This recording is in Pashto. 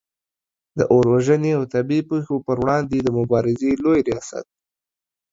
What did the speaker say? د اور وژنې او طبعې پیښو پر وړاندې د مبارزې لوي ریاست